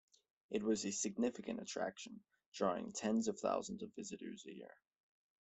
It was a significant attraction, drawing tens of thousands of visitors a year.